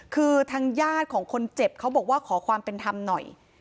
คือทางญาติของคนเจ็บเขาบอกว่าขอความเป็นธรรมหน่อย